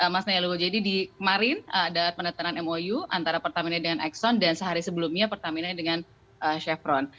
mas nailul jadi di kemarin ada penetanan mou antara pertamina dengan exxon dan sehari sebelumnya pertamina dengan chevron